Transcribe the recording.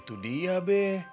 itu dia be